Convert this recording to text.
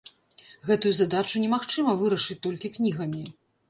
Гэтую задачу немагчыма вырашыць толькі кнігамі.